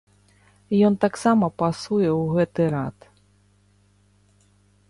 Ён таксама пасуе ў гэты рад.